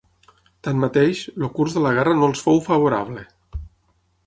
Tanmateix, el curs de la guerra no els fou favorable.